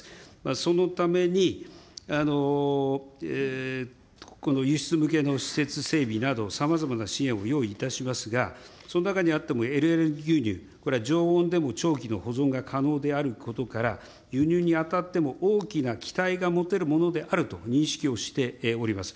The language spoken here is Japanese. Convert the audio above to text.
そのために、輸出向けの施設整備など、さまざまな支援を用意いたしますが、その中にあっても、ＬＬ牛乳、これ、常温でも長期の保存が可能であることから、輸入にあたっても大きな期待が持てるものであると認識しております。